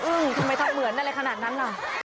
เอิ่มทำไมต้องเหมือนอะไรขนาดนั้นล่ะ